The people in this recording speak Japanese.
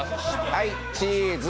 はい、チーズ。